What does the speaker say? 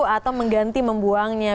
atau mengganti membuangnya